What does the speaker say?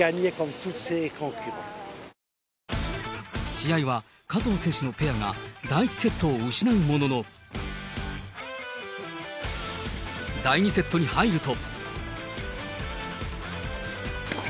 試合は加藤選手のペアが第１セットを失うものの、第２セットに入ると。